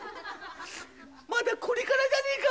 まだこれからじゃねえか。